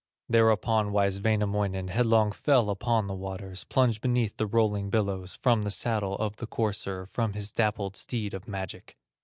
Thereupon wise Wainamoinen Headlong fell upon the waters, Plunged beneath the rolling billows, From the saddle of the courser, From his dappled steed of magic.